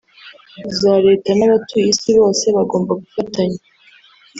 za Leta n’abatuye isi bose bagomba gufatanya